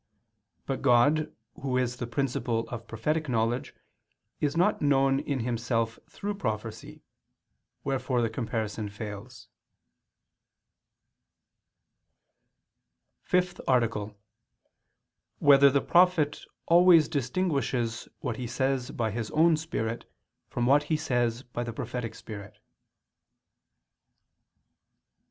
But God Who is the principle of prophetic knowledge is not known in Himself through prophecy; wherefore the comparison fails. _______________________ FIFTH ARTICLE [II II, Q. 171, Art. 5] Whether the Prophet Always Distinguishes What He Says by His Own Spirit from What He Says by the Prophetic Spirit?